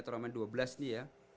turamen dua belas nih ya